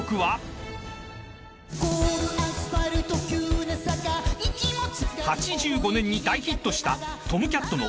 ［８５年に大ヒットした］